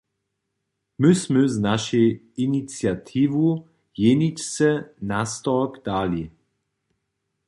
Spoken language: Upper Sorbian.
My smy z našej iniciatiwu jeničce nastork dali.